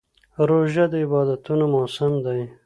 روژه د عبادتونو موسم دی.